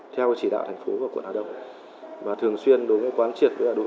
theo chỉ đạo thành phố và quận hà đông